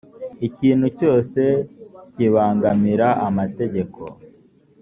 ikintu cyose kibangamira amategeko